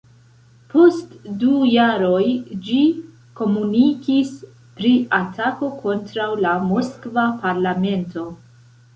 Post du jaroj ĝi komunikis pri atako kontraŭ la moskva parlamento.